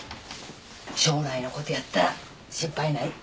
将来の事やったら心配ない。